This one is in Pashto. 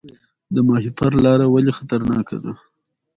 د ماهیپر لاره ولې خطرناکه ده؟